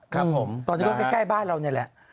ครับผมตอนนี้ก็ใกล้บ้านเรานี่แหละ